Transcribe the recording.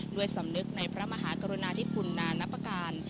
ด้วยสำนึกในพระมหากรุณาธิคุณนานับประการ